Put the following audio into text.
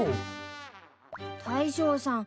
大将さん